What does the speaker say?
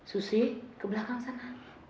susi ke belakang sana